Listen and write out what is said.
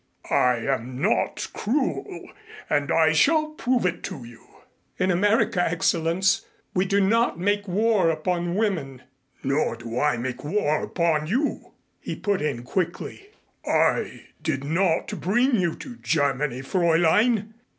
I am not cruel and I shall prove it to you." "In America, Excellenz, we do not make war upon women." "Nor do I make war upon you," he put in quickly. "I did not bring you to Germany, Fräulein.